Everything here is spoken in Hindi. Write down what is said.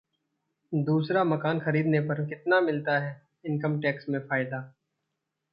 दूसरा मकान खरीदने पर कितना मिलता है इनकम टैक्स में फायदा?